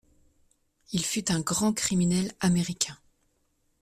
Il fut un grand criminel américain.